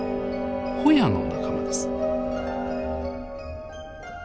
ホヤの仲間です。